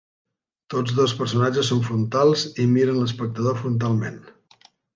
Tots dos personatges són frontals i miren l'espectador frontalment.